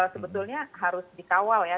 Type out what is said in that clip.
sebetulnya harus dikawal ya